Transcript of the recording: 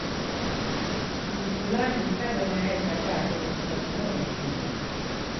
Spishi fulani hutaga mayai kadhaa kwenye chumba kimoja kikubwa.